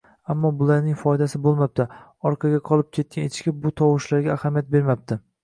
Ammo bularning foydasi bo‘lmabdi: orqada qolib ketgan Echki bu tovushlarga ahamiyat bermabdi